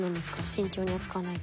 慎重に扱わないと。